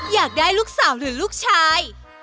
อยากได้ลูกสาวหรือลูกชาย